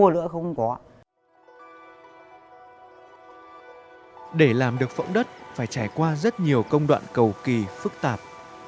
để làm được phẫu đất phải trải qua rất nhiều công đoạn cầu kỳ phức tạp